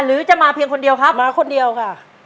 หรือจะมาเพียงคนเดียวครับมาคนเดียวค่ะ